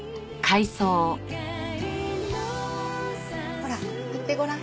ほら言ってごらん。